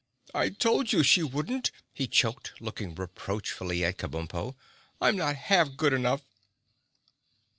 "I told you she wouldn't!" he choked, looking reproachfully at Kabumpo. "I'm not half good enough."